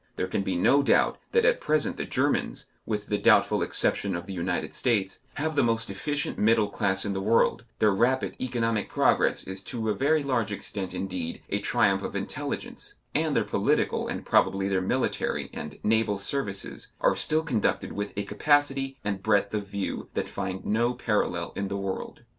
There can be no doubt that at present the Germans, with the doubtful exception of the United States, have the most efficient middle class in the world, their rapid economic progress is to a very large extent, indeed, a triumph of intelligence, and their political and probably their military and naval services are still conducted with a capacity and breadth of view that find no parallel in the world.